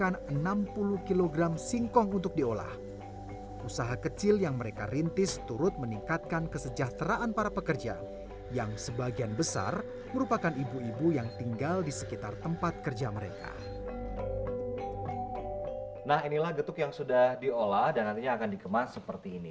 nah inilah getuk yang sudah diolah dan nantinya akan dikemas seperti ini